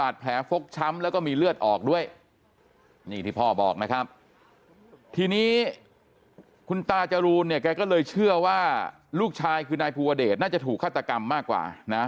ทีนี้คุณตาจรูนเนี่ยแกก็เลยเชื่อว่าลูกชายคือนายภูเวอเดชน่าจะถูกฆาตกรรมมากกว่านะ